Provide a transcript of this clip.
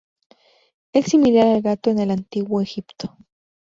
Es similar al gato en el antiguo Egipto.